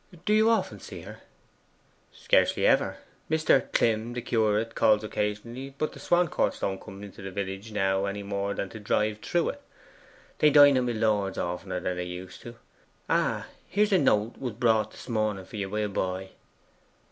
'Do you often see her?' 'Scarcely ever. Mr. Glim, the curate, calls occasionally, but the Swancourts don't come into the village now any more than to drive through it. They dine at my lord's oftener than they used. Ah, here's a note was brought this morning for you by a boy.